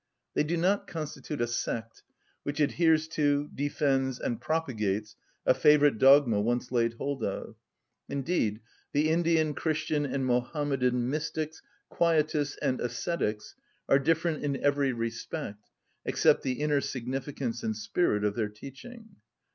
They do not constitute a sect, which adheres to, defends, and propagates a favourite dogma once laid hold of; indeed the Indian, Christian, and Mohammedan mystics, quietists, and ascetics are different in every respect, except the inner significance and spirit of their teaching.